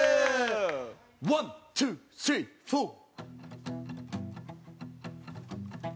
ワンツースリーフォー。